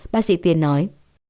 bác sĩ tiến nói